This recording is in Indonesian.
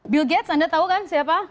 bill gates anda tahu kan siapa